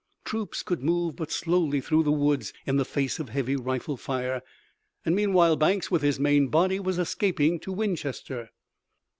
Troops could move but slowly through woods in the face of a heavy rifle fire, and meanwhile Banks with his main body was escaping to Winchester.